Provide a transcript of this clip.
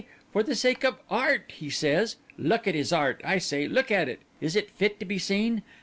For the sake of Art, he says. Look at his art, I say—look at it! Is it fit to be seen?